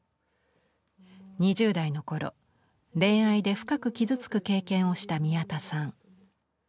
２０代の頃、恋愛で深く傷つく経験をした宮田さん。